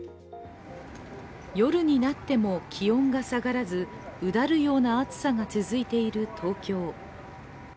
夜になっても気温が下がらずうだるような暑さが続いている東京。